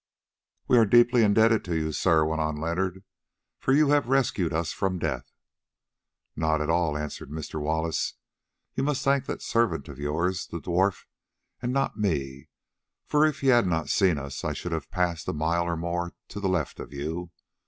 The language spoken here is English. "We are deeply indebted to you, sir," went on Leonard; "for you have rescued us from death." "Not at all," answered Mr. Wallace. "You must thank that servant of yours, the dwarf, and not me, for if he had not seen us, I should have passed a mile or more to the left of you.